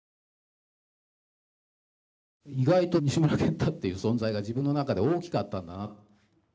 意外と西村賢太っていう存在が自分の中で大きかったんだな。